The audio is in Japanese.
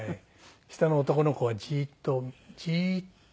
下の男の子はじーっとじーっと